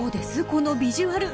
このビジュアル。